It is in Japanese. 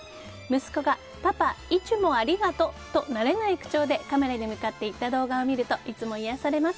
息子がパパいちゅもありがとっと慣れない口調でカメラに向かって言った動画を見るといつも癒やされます。